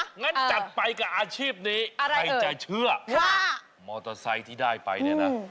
งั้นจัดไปกับอาชีพนี้ใครจะเชื่อว่ามอเตอร์ไซค์ที่ได้ไปเนี่ยนะ